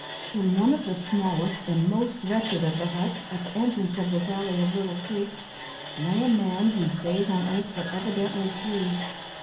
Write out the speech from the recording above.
In one of the smallest and most wretched of the huts, at the entrance of the valley of Little Creek, lay a man, whose days on earth were evidently few.